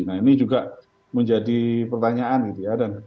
nah ini juga menjadi pertanyaan gitu ya